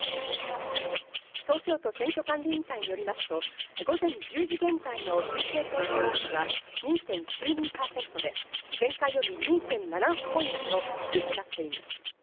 東京都選挙管理委員会によりますと、午前１０時現在の推定投票率は２．９２％で、前回より２．７６ポイント低くなっています。